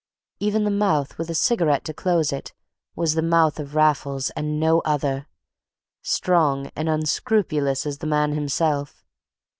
Even the mouth, with a cigarette to close it, was the mouth of Raffles and no other: strong and unscrupulous as the man himself.